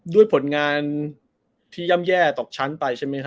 ด้วยผลงานที่ย่ำแย่ตกชั้นไป